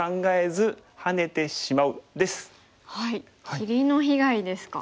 切りの被害ですか。